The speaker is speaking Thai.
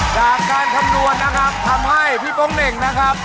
การคำนวณนะครับทำให้พี่โป๊งเหน่งนะครับ